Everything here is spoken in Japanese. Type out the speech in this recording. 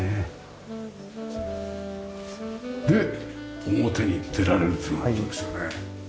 で表に出られるっていう窓ですよね。